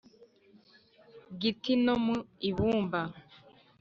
Giti no mu ibumba